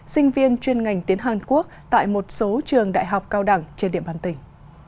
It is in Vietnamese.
sinh viên chuyên ngành tiếng hàn quốc tại một số trường đại học cao đẳng trên địa bàn tỉnh